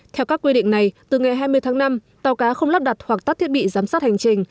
theo các quy định này từ ngày hai mươi tháng năm tàu cá không lắp đặt hoặc tắt thiết bị giám sát hành trình